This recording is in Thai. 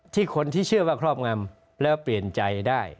คนที่เชื่อว่าครอบงำแล้วเปลี่ยนใจได้